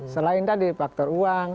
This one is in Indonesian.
selain tadi faktor kemenangan